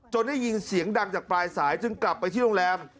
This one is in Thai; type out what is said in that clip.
ได้ยินเสียงดังจากปลายสายจึงกลับไปที่โรงแรม